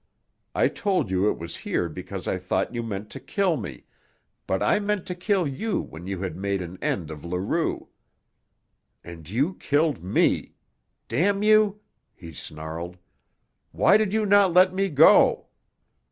I told you it was here because I thought you meant to kill me, but I meant to kill you when you had made an end of Leroux. And you killed me. Damn you!" he snarled. "Why did you not let me go?"